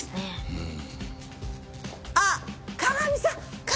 うん。